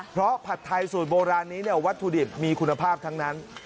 เพราะผัดไทยสูตรโบราณนี้วัตถุดิบมีคุณภาพทั้งนั้น